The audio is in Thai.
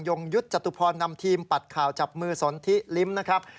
งยุทธ์จตุพรนำทีมปัดข่าวจับมือสนทิลิ้มนะครับ